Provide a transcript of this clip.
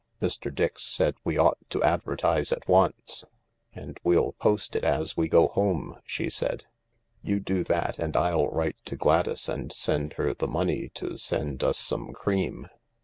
" Mr, Dix said we ought to advertise at once. And we'll post it as we go home," she said. " You do that and I'll write to Gladys and send her the money to send us some cream.